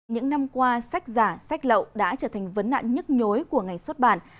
những năm qua sách giả sách lậu đã trở thành vấn nạn nhức nhối của ngành xuất bản